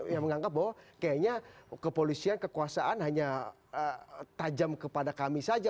yang menganggap bahwa kayaknya kepolisian kekuasaan hanya tajam kepada kami saja